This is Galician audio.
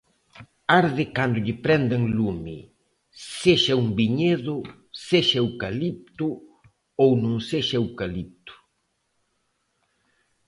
Arde cando lle prenden lume, sexa un viñedo, sexa eucalipto ou non sexa eucalipto.